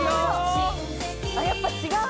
あっやっぱ違う！